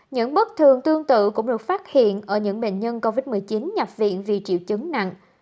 những bất thường tương tự cũng được phát hiện ở những bệnh nhân covid một mươi chín nhập viện vì triệu chứng nặng